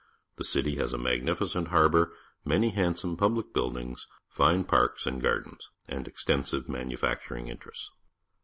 The city has a magnificent harbour, many handsome pubUc buildings, fine parks and gardens, and extensive manu facturing interests.